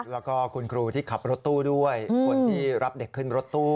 แล้วก็คุณครูที่ขับรถตู้ด้วยคนที่รับเด็กขึ้นรถตู้